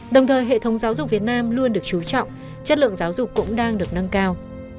đồng thời hệ thống giáo dục việt nam luôn được chú trọng chất lượng giáo dục cũng đang được nâng cao